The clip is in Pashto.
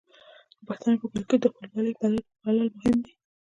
د پښتنو په کلتور کې د خپلوۍ پالل مهم دي.